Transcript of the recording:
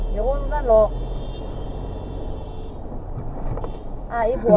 มันหอบไอเดงมากอ่ะพี่สุด